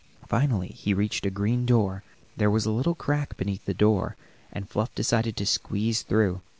Finally he reached a green door; there was a little crack beneath the door, and Fluff decided to squeeze through.